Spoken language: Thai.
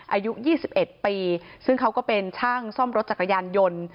อายุ๒๑ปีซึ่งเขาก็เป็นช่างซ่อมรถจักรยานยนต์